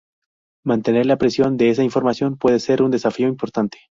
Mantener la precisión de esa información puede ser un desafío importante.